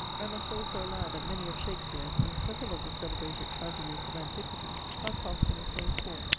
I must also allow, that many of Shakespeare's, and several of the celebrated tragedies of antiquity, are cast in the same form.